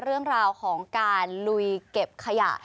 เรื่องราวของการลุยเก็บขยะ